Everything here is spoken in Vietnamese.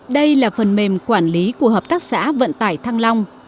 đây là phần mềm quản lý của hợp tác xã vận tải thăng long